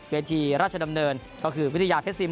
เวทีราชดำเนินก็คือวิทยาเพชรซิม